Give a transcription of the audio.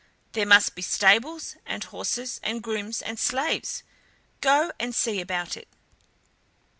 There must be stables and horses and grooms and slaves; go and see about it!"